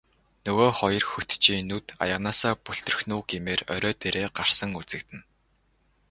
Нөгөө хоёр хөтчийн нүд аяганаасаа бүлтрэх нь үү гэмээр орой дээрээ гарсан үзэгдэнэ.